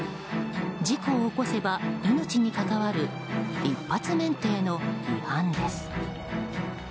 事故を起こせば命に関わる一発免停の違反です。